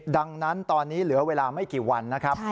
ดังนั้นตอนนี้เหลือเวลาไม่กี่วันนะครับ